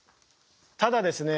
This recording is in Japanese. ただですね